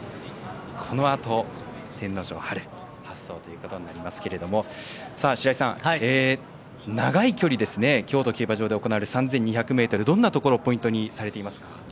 このあと天皇賞発走ということになりますが白井さん、長い距離京都競馬場で行われる３２００ｍどんなところポイントにされていますか？